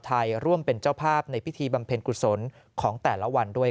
ร่วมเป็นเจ้าภาพในพิธีบำเพ็ญกุศลของแต่ละวันด้วย